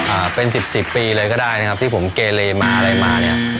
อ่าเป็นสิบสิบปีเลยก็ได้นะครับที่ผมเกเลมาอะไรมาเนี้ย